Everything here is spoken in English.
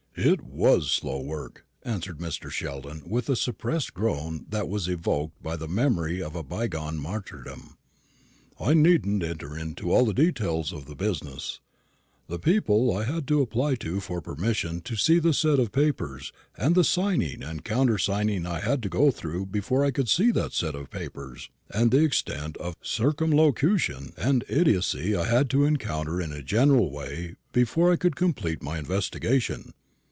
"It was slow work," answered Mr. Sheldon with a suppressed groan, that was evoked by the memory of a bygone martyrdom. "I needn't enter into all the details of the business, the people I had to apply to for permission to see this set of papers, and the signing and counter signing I had to go through before I could see that set of papers, and the extent of circumlocution and idiocy I had to encounter in a general way before I could complete my investigation.